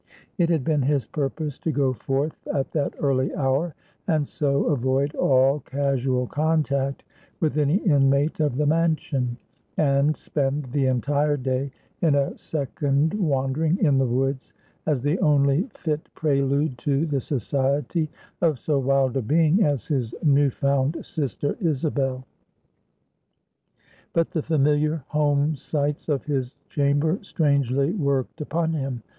It had been his purpose to go forth at that early hour, and so avoid all casual contact with any inmate of the mansion, and spend the entire day in a second wandering in the woods, as the only fit prelude to the society of so wild a being as his new found sister Isabel. But the familiar home sights of his chamber strangely worked upon him.